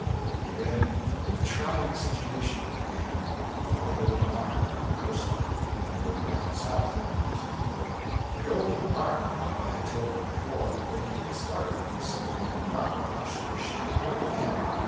He read "A Trying Situation" and "The Golden Arm," a ghost story that he heard down South when he was a little boy. "The Golden Arm" papa had told me before, but he had startled me so that I did not much wish to hear it again.